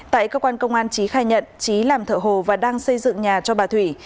tại cơ quan công an trí khai nhận trí làm thợ hồ và đang xây dựng nhà cho bà thủy